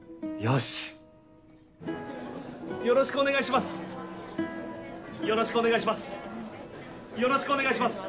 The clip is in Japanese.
よろしくお願いします